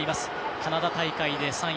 カナダ大会で３位。